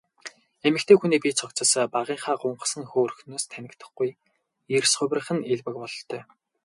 Эмэгтэй хүний бие цогцос багынхаа гунхсан хөөрхнөөс танигдахгүй эрс хувирах нь элбэг бололтой.